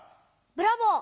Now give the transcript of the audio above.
ブラボー。